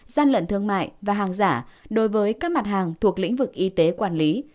gian lận thương mại và hàng giả đối với các mặt hàng thuộc lĩnh vực y tế quản lý